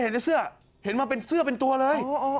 เห็นแต่เสื้อเห็นมาเป็นเสื้อเป็นตัวเลย